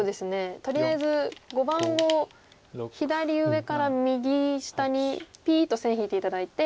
とりあえず碁盤を左上から右下にピーッと線引いて頂いて。